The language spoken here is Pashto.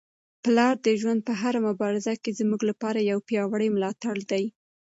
پلار د ژوند په هره مبارزه کي زموږ لپاره یو پیاوړی ملاتړی دی.